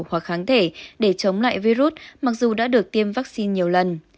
hoặc kháng thể để chống lại virus mặc dù đã được tiêm vaccine nhiều lần